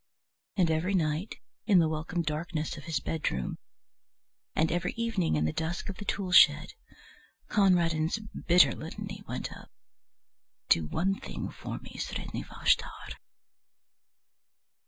And every night, in the welcome darkness of his bedroom, and every evening in the dusk of the tool shed, Conradin's bitter litany went up: "Do one thing for me, Sredni Vashtar."